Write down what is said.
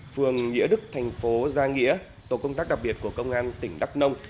phường nghĩa đức thành phố gia nghĩa tổ công tác đặc biệt của công an tỉnh đắk nông